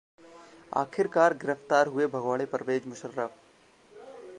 आखिरकार गिरफ्तार हुए 'भगोड़े' परवेज मुशर्रफ